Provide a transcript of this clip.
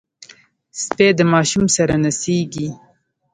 سپي د ماشوم سره نڅېږي.